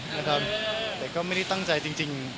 แต่ก็ไม่ได้ตั้งใจจริง